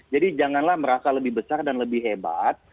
jadi janganlah merasa lebih besar dan lebih hebat